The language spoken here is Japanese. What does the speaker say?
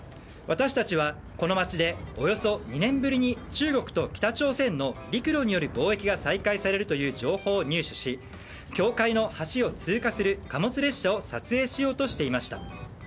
私たちは、この街でおよそ２年ぶりに中国と北朝鮮の陸路による貿易が再開されるという情報を入手し境界の橋を通過する貨物列車を撮影しようとしていました。